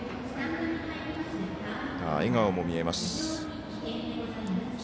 笑顔も見えます。